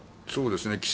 そうですね。